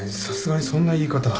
さすがにそんな言い方。